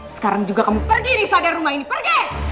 sekarang juga kamu pergi di sadar rumah ini pergi